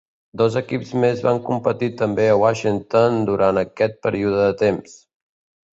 Dos equips més van competir també a Washington durant aquest període de temps.